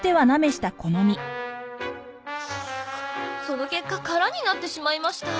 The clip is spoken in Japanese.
その結果空になってしまいました。